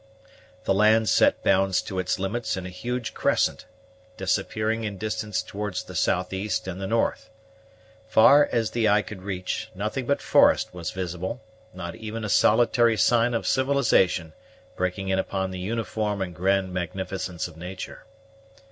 The land set bounds to its limits in a huge crescent, disappearing in distance towards the south east and the north. Far as the eye could reach, nothing but forest was visible, not even a solitary sign of civilization breaking in upon the uniform and grand magnificence of nature.